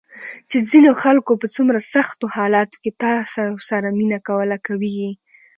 چې ځینو خلکو په څومره سختو حالاتو کې تاسو سره مینه کوله، کوي یې ~